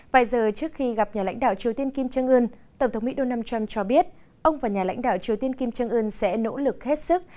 vài giờ trước khi gặp nhà lãnh đạo triều tiên kim trương ơn tổng thống mỹ donald trump cho biết ông và nhà lãnh đạo triều tiên kim trương ơn sẽ nỗ lực hết sức